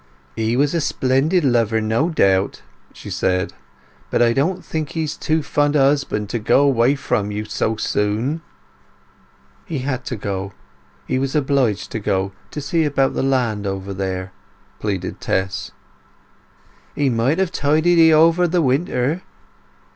"He was a very splendid lover, no doubt," she said; "but I don't think he is a too fond husband to go away from you so soon." "He had to go—he was obliged to go, to see about the land over there!" pleaded Tess. "He might have tided 'ee over the winter."